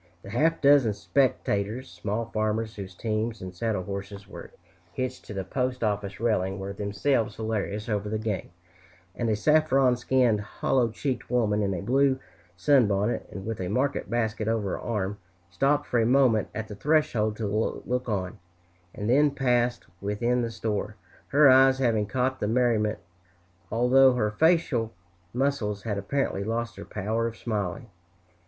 The half dozen spectators, small farmers whose teams and saddle horses were hitched to the postoffice railing, were themselves hilarious over the game; and a saffron skinned, hollow cheeked woman in a blue sunbonnet, and with a market basket over her arm, stopped for a moment at the threshold to look on, and then passed within the store, her eyes having caught the merriment, although her facial muscles had apparently lost their power of smiling.